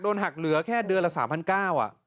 หักเหลือแค่เดือนละ๓๙๐๐บาท